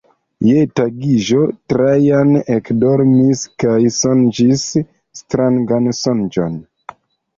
Je tagiĝo Trajan ekdormis kaj sonĝis strangan sonĝon.